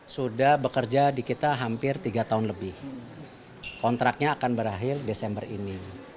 sudah bekerja di kita hampir tiga tahun lebih kontraknya akan berakhir desember ini